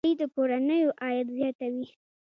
مالداري د کورنیو عاید زیاتوي.